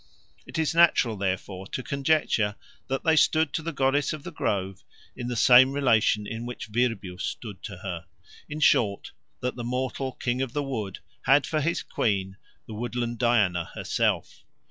It is natural, therefore, to conjecture that they stood to the goddess of the grove in the same relation in which Virbius stood to her; in short, that the mortal King of the Wood had for his queen the woodland Diana herself.